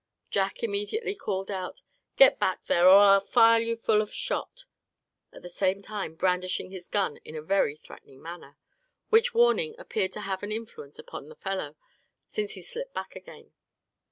Jack immediately called out: "Get back there, or I'll fill you full of shot!" at the same time brandishing his gun in a very threatening manner; which warning appeared to have an influence upon the fellow, since he slipped back again.